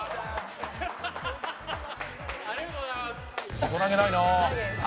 「大人げないなあ」